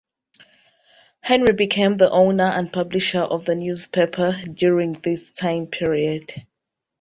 Henry became the owner and publisher of the newspaper during this time period.